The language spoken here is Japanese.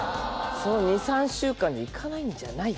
その２３週間じゃいかないんじゃないか。